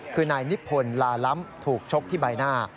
คือนายนิพนธ์ลาล้ำถูกชกที่ใบหน้า